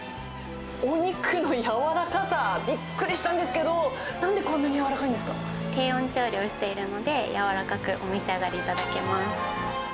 お肉の柔らかさ、びっくりしたんですけど、低温調理をしているので、柔らかくお召し上がりいただけます。